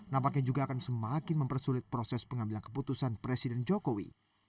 nampaknya juga akan semakin mempersulit proses pengambilan keputusan presiden jokowi